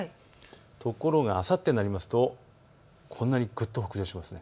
ところがあさってになるとこんなにぐっと北上します。